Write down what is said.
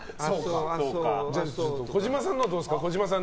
児嶋さんのはどうですか。